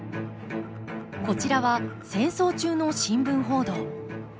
こちらは戦争中の新聞報道。